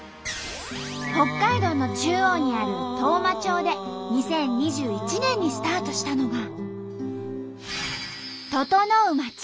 北海道の中央にある当麻町で２０２１年にスタートしたのが。